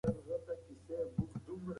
تاسو د بریا خبر د هیواد ټولو برخو ته ورسوئ.